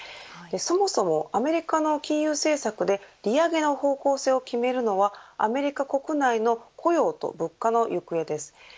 そもそも、アメリカの金融政策で利上げの方向性を決めるのはアメリカ国内の雇用と物価の行方です。